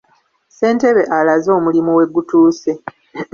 Ssentebe alaze omulimu we gutuuse.